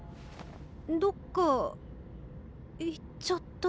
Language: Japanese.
どっか行っちゃった。